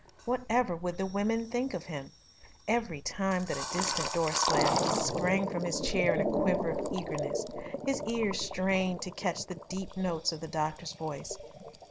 Whatever would the women think of him! Every time that a distant door slammed he sprang from his chair in a quiver of eagerness. His ears strained to catch the deep notes of the doctor's voice.